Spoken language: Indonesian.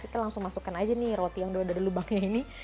kita langsung masukkan aja nih roti yang dari lubangnya ini